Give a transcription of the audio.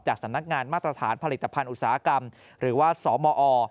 สำนักงานมาตรฐานผลิตภัณฑ์อุตสาหกรรมหรือว่าสมอ